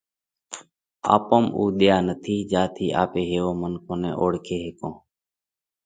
آپون ۾ اُو وۮيا نٿِي جيا ٿِي آپي هيوون منکون نئہ اوۯکي هيڪون۔